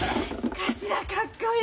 頭かっこいい！